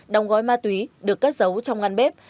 đóng gói ma túy được cất giấu trong ngăn bếp